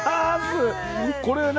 これは何？